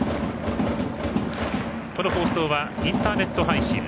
この放送はインターネット配信